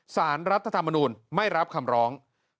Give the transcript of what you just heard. สารรัฐธรรมนูลไม่รับคำร้อง